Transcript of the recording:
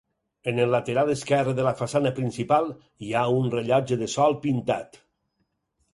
En el lateral esquerre de la façana principal hi ha un rellotge de sol pintat.